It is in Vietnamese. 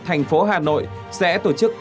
thành phố hà nội sẽ tổ chức